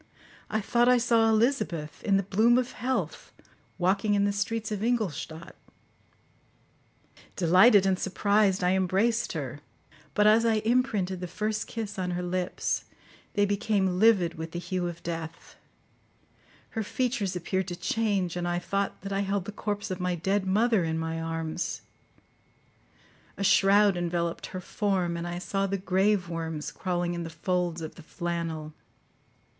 I thought I saw Elizabeth, in the bloom of health, walking in the streets of Ingolstadt. Delighted and surprised, I embraced her, but as I imprinted the first kiss on her lips, they became livid with the hue of death; her features appeared to change, and I thought that I held the corpse of my dead mother in my arms; a shroud enveloped her form, and I saw the grave worms crawling in the folds of the flannel.